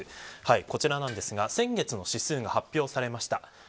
こちらなんですが先月の指数が発表されました。